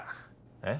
えっ？